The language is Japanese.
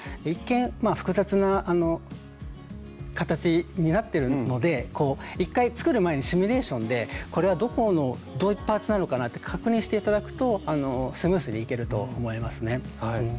一見複雑な形になってるので一回作る前にシミュレーションでこれはどこのどういうパーツなのかなって確認して頂くとスムースにいけると思いますね。